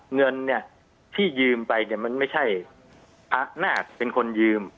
เงินเนี่ยที่ยืมไปเนี่ยมันไม่ใช่อำนาจเป็นคนยืม